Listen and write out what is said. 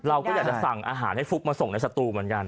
เราก็อยากจะสั่งอาหารให้ฟุ๊กมาส่งในสตูเหมือนกัน